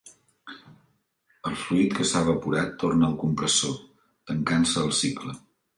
El fluid, que s'ha evaporat, torna al compressor, tancant-se el cicle.